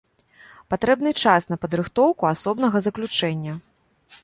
Патрэбны час на падрыхтоўку асобнага заключэння.